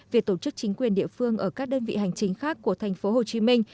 việc tổ chức chính quyền địa phương ở các đơn vị hành chính khác của thành phố hồ chí minh